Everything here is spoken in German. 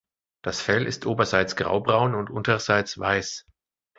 Das Fell ist oberseits graubraun und unterseits weiß.